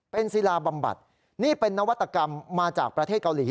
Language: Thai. เป็นศิลาบำบัดนี่เป็นนวัตกรรมมาจากประเทศเกาหลี